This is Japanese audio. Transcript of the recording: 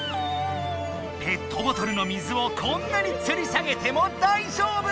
ペットボトルの水をこんなにつり下げてもだいじょうぶ！